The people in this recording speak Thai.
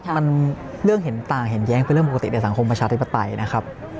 มันเรื่องเห็นต่างเห็นแย้งเป็นเรื่องปกติในสังคมประชาธิปไตยนะครับ